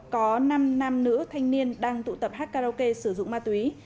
có năm nam nữ thanh niên đang tụ tập hát karaoke sử dụng ma túy